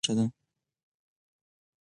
تاریخي ماتې د عبرت نښه ده.